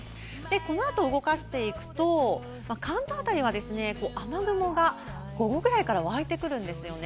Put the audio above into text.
このあと動かしていくと、関東辺りは雨雲が午後くらいから湧いてくるんですよね。